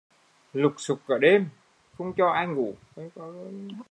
Lục sục cả đêm, không cho ai ngủ